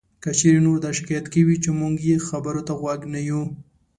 که چېرې نور دا شکایت کوي چې مونږ یې خبرو ته غوږ نه یو